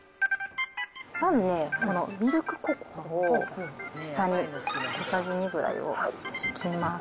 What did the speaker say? まずね、このミルクココアを下に小さじ２ぐらいを敷きます。